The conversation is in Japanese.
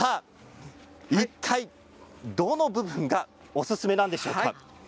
いったい、どの部分がおすすめなんでしょうか。